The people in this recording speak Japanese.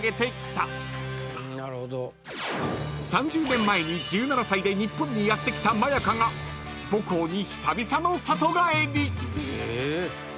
［３０年前に１７歳で日本にやって来た真也加が母校に久々の里帰り］